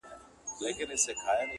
د عقل سوداګرو پکښي هر څه دي بایللي!.